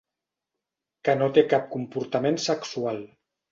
Que no té cap comportament sexual.